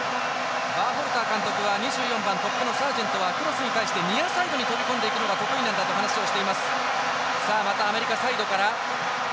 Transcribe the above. バーホルター監督はトップのサージェントはクロスに対して二アサイドに飛び込んでいくのが得意なんだと話をしています。